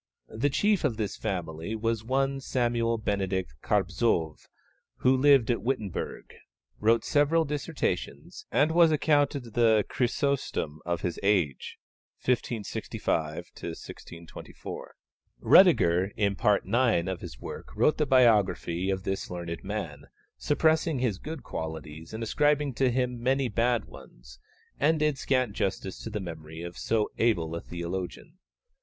The chief of this family was one Samuel Benedict Carpzov, who lived at Wittenberg, wrote several dissertations, and was accounted the Chrysostom of his age (1565 1624). Rüdiger in Part IX. of his work wrote the biography of this learned man, suppressing his good qualities and ascribing to him many bad ones, and did scant justice to the memory of so able a theologian.